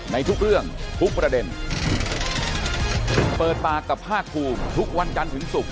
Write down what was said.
ในทุกเรื่องทุกประเด็นเปิดปากกับภาคภูมิทุกวันจันทร์ถึงศุกร์